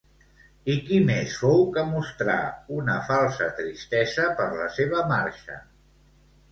I qui més fou que mostrà una falsa tristesa per la seva marxa?